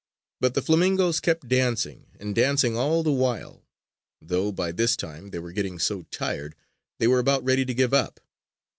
But the flamingoes kept dancing and dancing all the while, though by this time they were getting so tired they were about ready to give up.